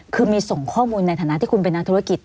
คือมีส่งข้อมูลในฐานะที่คุณเป็นนักธุรกิจ